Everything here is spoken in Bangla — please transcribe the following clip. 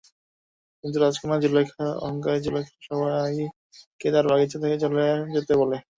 কিন্তু রাজকন্যা জুলেখা, অহংকারী জুলেখা সবাইকে তার বাগিচা থেকে চলে যেতে বলে।